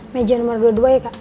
majen nomor dua puluh dua ya kak